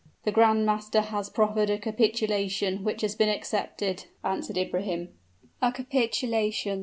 "The grand master has proffered a capitulation, which has been accepted," answered Ibrahim. "A capitulation!"